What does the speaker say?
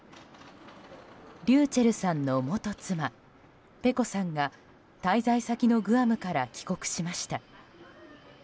ｒｙｕｃｈｅｌｌさんの元妻ｐｅｃｏさんが滞在先のグアムから帰国しました。